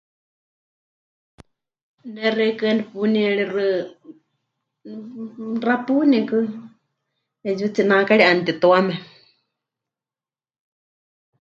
Ne xeikɨ́a nepunieríxɨ xapuunikɨ, 'eetsiwa tsináakari 'anutituame.